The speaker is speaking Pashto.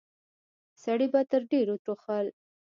سړي به تر ډيرو ټوخل.